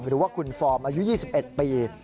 หรือว่าคุณฟอร์มอายุ๒๑ปี